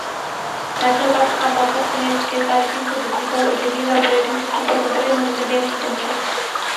Microsoft کا مؤقف ہے کہ صارفین کو جدید آپریٹنگ سسٹم پر منتقل ہونے میں دیر نہیں کرنی چاہیے